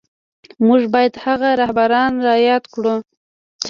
موږ بايد هغه رهبران را ياد کړو.